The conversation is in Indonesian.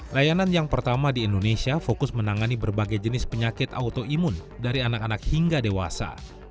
layanan yang pertama di indonesia fokus menangani berbagai jenis penyakit autoimun dari anak anak hingga dewasa